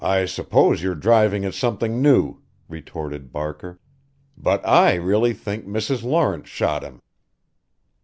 "I suppose you're driving at something new," retorted Barker, "but I really think Mrs. Lawrence shot him."